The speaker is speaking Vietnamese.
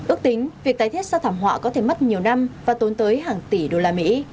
ước tính việc tái thiết sau thảm họa có thể mất nhiều năm và tốn tới hàng tỷ đô la mỹ